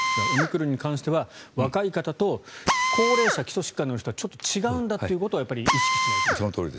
オミクロンに関しては若い方と高齢者、基礎疾患のある方はちょっと違うんだということをやっぱり意識しないといけないと。